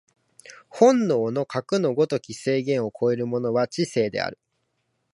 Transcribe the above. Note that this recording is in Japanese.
本能のかくの如き制限を超えるものは知性である。